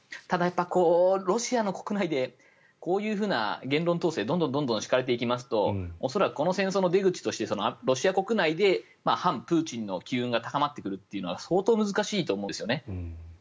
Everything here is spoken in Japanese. ただ、ロシアの国内でこういう言論統制がどんどん敷かれていきますと恐らくこの戦争の出口としてロシア国内で反プーチンの機運が高まってくるというのは相当難しいと思うんですよね。